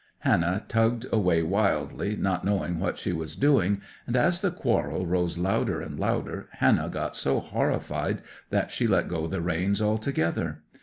Hannah tugged away wildly, not knowing what she was doing; and as the quarrel rose louder and louder Hannah got so horrified that she let go the reins altogether.